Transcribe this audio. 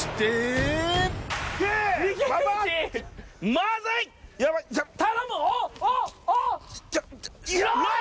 まずい！